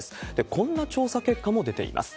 こんな調査結果も出ています。